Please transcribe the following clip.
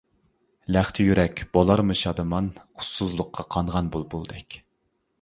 لەختە يۈرەك بولارمۇ شادىمان ئۇسسۇزلۇققا قانغان بۇلبۇلدەك.